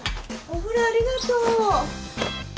お風呂ありがとう。